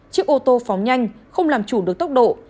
chiếc ô tô phóng nhanh không làm chủ được tốc độ